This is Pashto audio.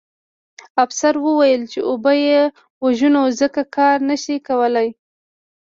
افسر وویل چې وبه یې وژنو ځکه کار نه شي کولی